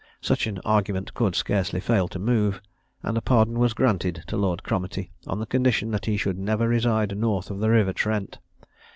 Such an argument could scarcely fail to move; and a pardon was granted to Lord Cromartie on the condition that he should never reside north of the river Trent.